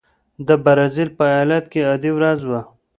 د برازیل په ایالت کې عادي ورځ وه.